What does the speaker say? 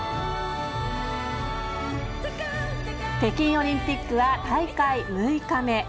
北京オリンピックは大会６日目。